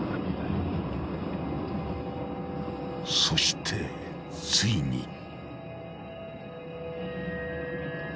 ［そしてついに］